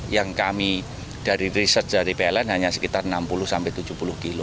yang kami dari riset dari pln hanya sekitar enam puluh tujuh puluh km